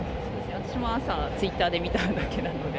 私も朝、ツイッターで見ただけなので。